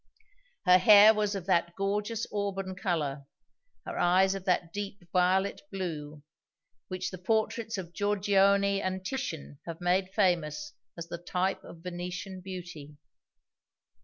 Her hair was of that gorgeous auburn color, her eyes of that deep violet blue, which the portraits of Giorgione and Titian have made famous as the type of Venetian beauty.